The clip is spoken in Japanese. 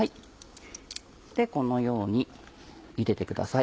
このようにゆでてください。